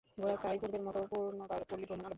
গোরা তাই পূর্বের মতো পুনর্বার পল্লীভ্রমণ আরম্ভ করিল।